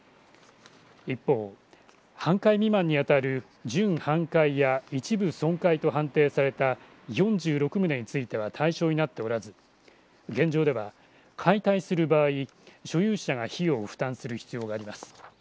一方半壊未満に当たる準半壊や一部損壊と判定された４６棟については対象になっておらず現状では解体する場合所有者が費用を負担する必要があります。